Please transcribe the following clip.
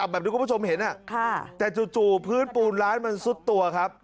แบบที่คุณผู้ชมเห็นแต่จู่พื้นปูนร้านมันซุดตัวครับ